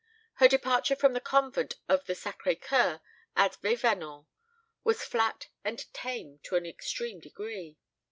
Her departure from the convent of the Sacré Coeur, at Vevinord, was flat and tame to an extreme degree.